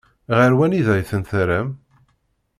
Ɣer wanida i ten-terram?